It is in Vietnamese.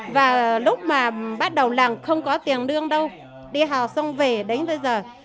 nhưng mà bắt đầu làm không có tiền lương đâu đi học xong về đến bây giờ